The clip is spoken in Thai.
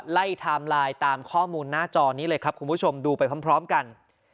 ไทม์ไลน์ตามข้อมูลหน้าจอนี้เลยครับคุณผู้ชมดูไปพร้อมกัน